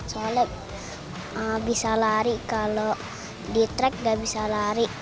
soalnya bisa lari kalau di track gak bisa lari